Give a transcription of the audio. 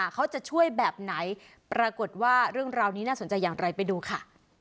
เขาจะช่วยแบบไหนปรากฏว่าเรื่องราวนี้น่าสนใจอย่างไรไปดูค่ะ